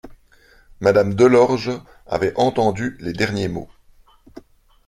Madame Delorge avait entendu les derniers mots.